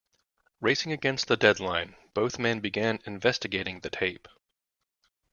Racing against the deadline, both men begin investigating the tape.